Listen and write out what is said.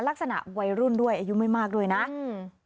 วัยรุ่นด้วยอายุไม่มากด้วยนะอืม